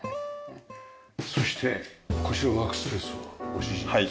そしてこちらワークスペースはご主人のですか？